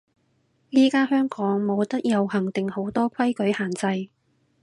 依家香港冇得遊行定好多規矩限制？